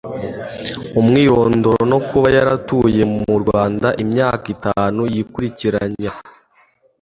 Umwirondoro no kuba yaratuye mu Rwanda imyaka itanu yikurikiranya.